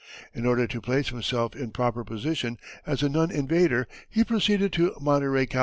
In order to place himself in proper position as a non invader he proceeded to Monterey, Cal.